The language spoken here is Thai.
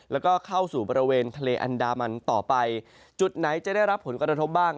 แล้วก็เข้าสู่บริเวณทะเลอันดามันต่อไปจุดไหนจะได้รับผลกระทบบ้าง